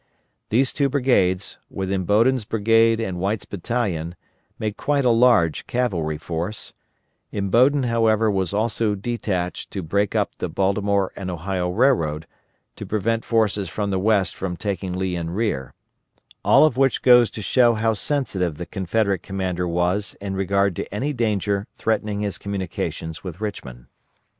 These two brigades, with Imboden's brigade, and White's battalion, made quite a large cavalry force: Imboden, however, was also detached to break up the Baltimore and Ohio Railroad to prevent forces from the West from taking Lee in rear; all of which goes to show how sensitive the Confederate commander was in regard to any danger threatening his communications with Richmond.